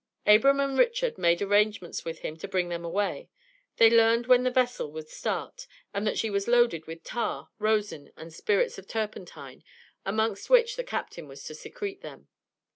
Abram and Richard made arrangements with him to bring them away; they learned when the vessel would start, and that she was loaded with tar, rosin, and spirits of turpentine, amongst which the captain was to secrete them.